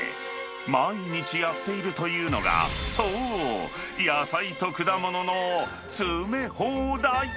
毎日やっているというのが、そう、野菜と果物の詰め放題。